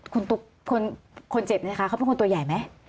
คุณตุ๊กคนเจ็บนะคะเขาเป็นคนตัวใหญ่ไหม